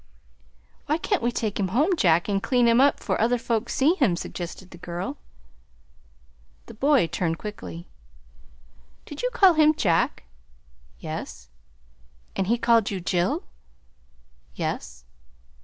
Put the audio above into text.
"Why can't we take him home, Jack, and clean him up 'fore other folks see him?" suggested the girl. The boy turned quickly. "Did you call him 'Jack'?" "Yes." "And he called you, Jill'?" "Yes."